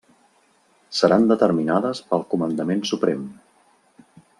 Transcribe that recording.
Seran determinades pel Comandament Suprem.